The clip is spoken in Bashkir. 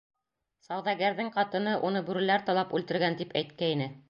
Сауҙагәрҙең ҡатыны, уны бүреләр талап үлтергән, тип әйткәйне.